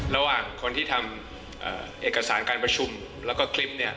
ระหว่างคนที่ทำเอกสารการประชุมแล้วก็คลิปเนี่ย